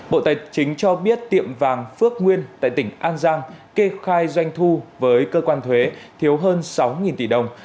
bộ tài chính cho biết tiệm vàng phước nguyên tại tỉnh an giang kê khai doanh thu với cơ quan thuế thiếu hơn sáu tỷ đồng